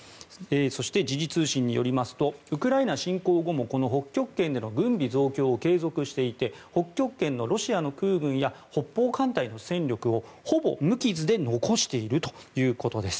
そして、時事通信によりますとウクライナ侵攻後もこの北極圏での軍備増強を継続していて北極圏のロシアの空軍や北方艦隊の戦力をほぼ無傷で残しているということです。